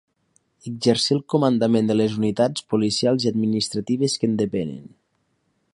Exercir el comandament de les unitats policials i administratives que en depenen.